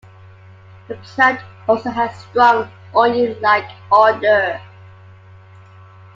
The plant also has strong, onion-like, odor.